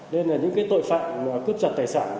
nên những tội phạm cướp trật tài sản